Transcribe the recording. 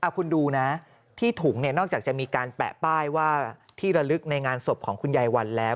คุณดูนะที่ถุงเนี่ยนอกจากจะมีการแปะป้ายว่าที่ระลึกในงานศพของคุณยายวันแล้ว